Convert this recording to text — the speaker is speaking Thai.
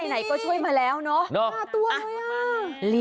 อ๋อเหรอ